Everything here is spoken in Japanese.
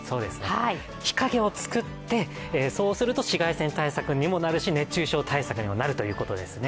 日陰を作って、そうすると紫外線対策にもなるし熱中症対策にもなるということですね。